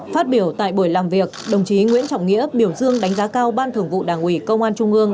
phát biểu tại buổi làm việc đồng chí nguyễn trọng nghĩa biểu dương đánh giá cao ban thường vụ đảng ủy công an trung ương